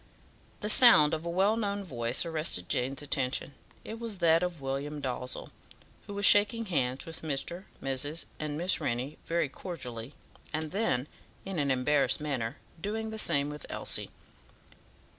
The sound of a well known voice arrested Jane's attention: it was that of William Dalzell, who was shaking hands with Mr., Mrs., and Miss Rennie very cordially, and then, in an embarrassed manner, doing the same with Elsie.